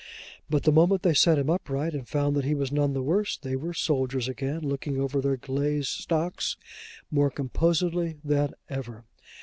But the moment they set him upright and found that he was none the worse, they were soldiers again, looking over their glazed stocks more composedly than ever.